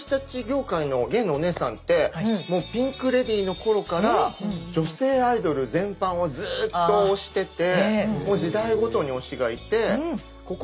業界のゲイのお姉さんってピンク・レディーの頃から女性アイドル全般をずっと推してて時代ごとに推しがいて。